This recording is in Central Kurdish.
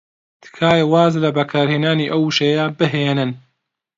تکایە واز لە بەکارهێنانی ئەو وشەیە بهێنن.